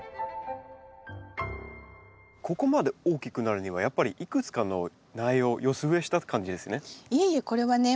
ここまで大きくなるにはやっぱりいくつかの苗を寄せ植えした感じですね？